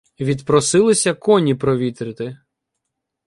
Відпросилися "коні провітрити".